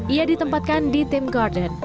ia ditempatkan di tim garden